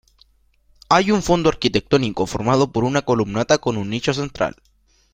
Hay un fondo arquitectónico formado por una columnata con un nicho central.